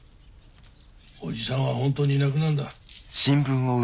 おじさんは本当にいなくなるんだ。